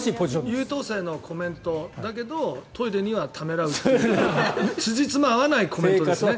優等生のコメントだけどトイレにはためらうというつじつまが合わないコメントですね。